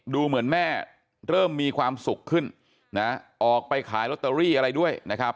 ดูเหมือนแม่เริ่มมีความสุขขึ้นนะออกไปขายลอตเตอรี่อะไรด้วยนะครับ